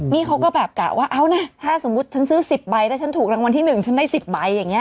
นี่เขาก็แบบกะว่าเอานะถ้าสมมุติฉันซื้อ๑๐ใบแล้วฉันถูกรางวัลที่๑ฉันได้๑๐ใบอย่างนี้